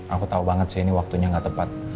aku tahu banget sih ini waktunya gak tepat